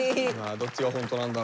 どっちがホントなんだろう。